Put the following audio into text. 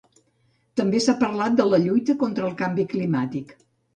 També s’ha parlat de la lluita contra el canvi climàtic.